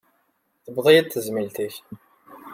Tewweḍ-iyi-d tezmilt-ik